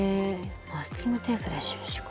マスキングテープで印か。